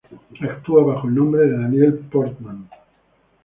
Actúa bajo el nombre de Daniel Portman.